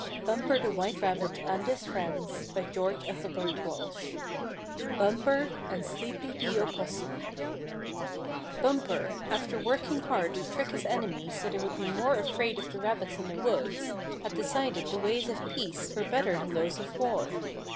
BUMPER THE WHITE RABBIT AND HIS FRIENDS STORY I BUMPER AND SLEEPY THE OPOSSUM Bumper, after working hard to trick his enemies so they would be more afraid of the rabbits in the woods, had decided the ways of peace were better than those of war.